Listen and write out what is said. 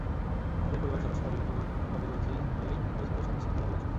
আমাদের পরিবারের সদস্যরা বিভিন্ন গুরুত্বপূর্ণ পদে রয়েছেন বলেই পিরোজপুরে শান্তিশৃঙ্খলা বিরাজ করছে।